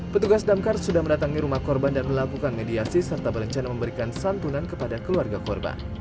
petugas damkar sudah mendatangi rumah korban dan melakukan mediasi serta berencana memberikan santunan kepada keluarga korban